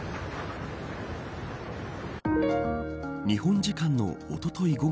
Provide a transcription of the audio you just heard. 日本時間のおととい